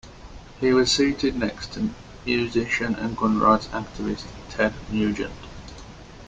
He was seated next to musician and gun-rights activist Ted Nugent.